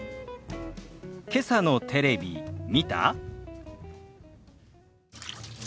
「けさのテレビ見た？」。